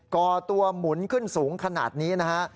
ก่อตัวหมุนขึ้นสูงขนาดนี้นะฮะ